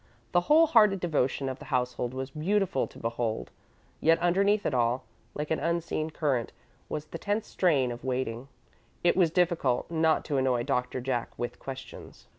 The whole hearted devotion of the household was beautiful to behold, yet underneath it all, like an unseen current, was the tense strain of waiting. It was difficult not to annoy Doctor Jack with questions.